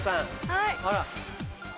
はい。